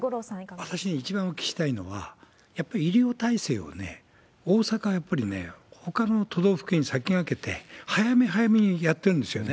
私が一番お聞きしたいのは、やっぱり医療体制を大阪はやっぱりほかの都道府県に先駆けて早め早めにやってるんですよね。